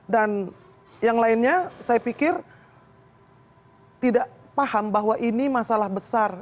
dan yang lainnya saya pikir tidak paham bahwa ini masalah besar